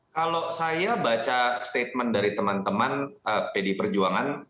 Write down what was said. kalau saya baca statement dari teman teman pd perjuangan